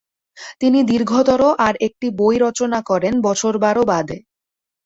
তিনি দীর্ঘতর আর একটি বই রচনা করেন বছর বারো বাদে।